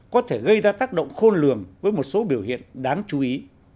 có thể gây ra tác động khôn lường với một số biểu hiện đáng chú ý